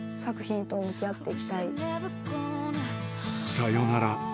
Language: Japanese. さよなら